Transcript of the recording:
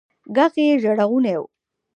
ږغ يې ژړغونى و.